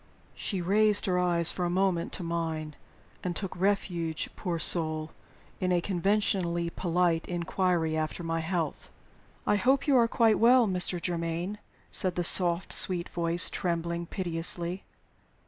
She raised her eyes for a moment to mine, and took refuge, poor soul, in a conventionally polite inquiry after my health. "I hope you are quite well, Mr. Germaine," said the soft, sweet voice, trembling piteously.